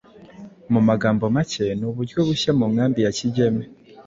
mu magambo make ni uburyo bushya mu nkambi ya Kigeme